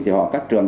thì họ các trường